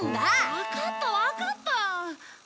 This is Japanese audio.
わかったわかった。